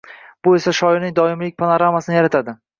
bu esa shiorlarning doimiylik panoramasini yaratadi.